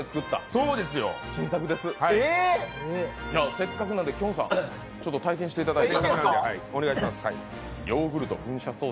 せっかくなのできょんさん、ちょっと体験していただいて。